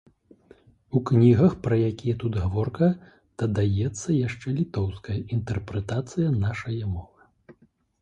У кнігах, пра якія тут гаворка, дадаецца яшчэ літоўская інтэрпрэтацыя нашае мовы.